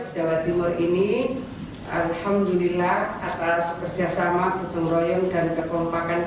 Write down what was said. jawa timur ini alhamdulillah atas kerjasama berteroyong dan kekompakan kita semua